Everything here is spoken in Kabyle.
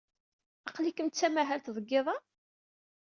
Aql-ikem d tamahalt deg yiḍ-a?